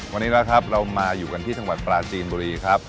วันนี้นะครับเรามาอยู่กันที่จังหวัดปลาจีนบุรีครับ